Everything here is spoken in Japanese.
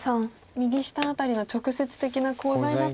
右下辺りが直接的なコウ材だと。